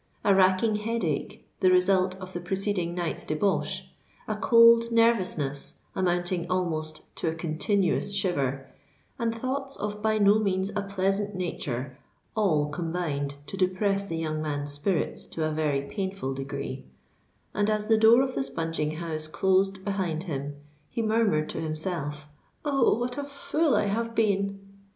A racking head ache, the result of the preceding night's debauch—a cold nervousness, amounting almost to a continuous shiver,—and thoughts of by no means a pleasant nature, all combined to depress the young man's spirits to a very painful degree; and, as the door of the spunging house closed behind him, he murmured to himself, "Oh! what a fool I have been!"